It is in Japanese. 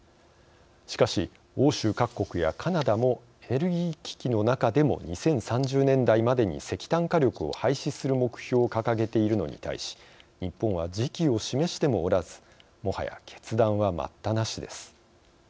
しかし、欧州各国やカナダもエネルギー危機の中でも２０３０年代までに石炭火力を廃止する目標を掲げているのに対し日本は時期を示してもおらずもはや決断は待ったなしです。